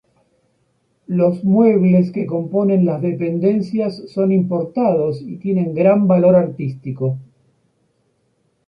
Los muebles que componen las dependencias son importados, y tienen gran valor artístico.